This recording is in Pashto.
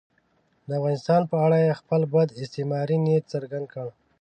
د افغانستان په اړه یې خپل بد استعماري نیت څرګند کړ.